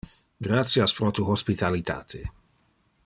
Gratias pro tu hospitalitate.